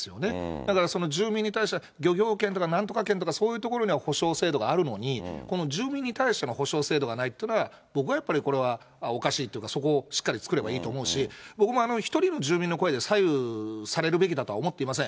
だから、住民に対しては、漁業権とかなんとか権とか、そういうところには保障制度があるのに、この住民に対しての補償制度がないというのは、僕はやっぱりこれはおかしいっていうか、そこをしっかり作ればいいと思うし、僕も１人の住民の声で左右されるべきだとは思っていません。